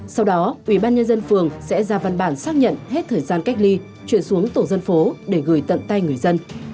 sau đó ubnd tp sẽ ra văn bản xác nhận hết thời gian cách ly chuyển xuống tổ dân phố để gửi tận tay người dân